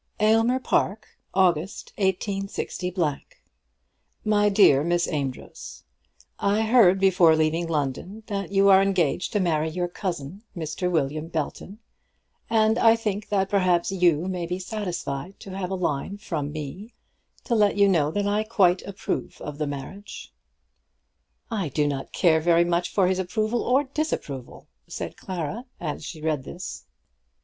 Aylmer Park, August, 186 . MY DEAR MISS AMEDROZ, I heard before leaving London that you are engaged to marry your cousin Mr. William Belton, and I think that perhaps you may be satisfied to have a line from me to let you know that I quite approve of the marriage. "I do not care very much for his approval or disapproval," said Clara as she read this.